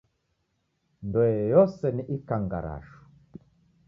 Ndoe yose ni ikangarashu.